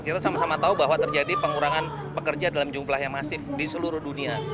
kita sama sama tahu bahwa terjadi pengurangan pekerja dalam jumlah yang masif di seluruh dunia